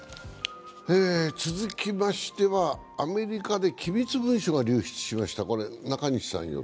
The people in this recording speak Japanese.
続きましてはアメリカで機密文書が流出しました。